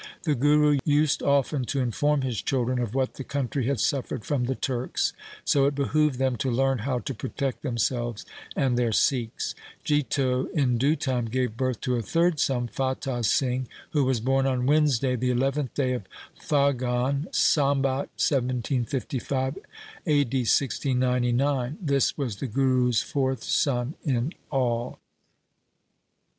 The Guru used often to inform his children of what the country had suffered from the Turks, so it behoved them to learn how to protect them selves and their Sikhs. Jito in due time gave birth to a third son, Fatah Singh, who was born on Wednesday, the eleventh day of Phagan, Sambat 1755, A. D. 1699. This was the Guru's fourth son in all.